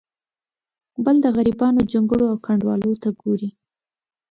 بل د غریبانو جونګړو او کنډوالو ته ګوري.